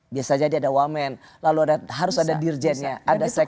biasa jadi ada woman lalu harus ada dirjennya ada sekjennya